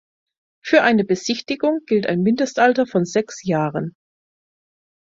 Für eine Besichtigung gilt ein Mindestalter von sechs Jahren.